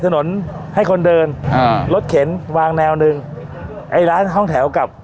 ถนนให้คนเดินอ่ารถเข็นวางแนวหนึ่งไอ้ร้านห้องแถวกับ